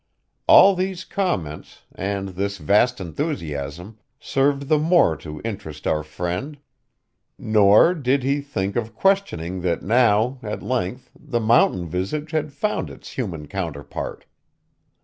All these comments, and this vast enthusiasm, served the more to interest our friend; nor did he think of questioning that now, at length, the mountain visage had found its human counterpart.